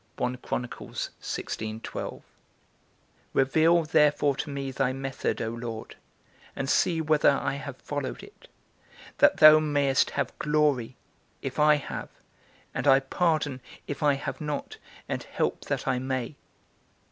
Reveal therefore to me thy method, O Lord, and see whether I have followed it; that thou mayest have glory, if I have, and I pardon, if I have not, and help that I may.